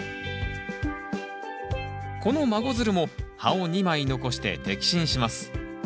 この孫づるも葉を２枚残して摘心します。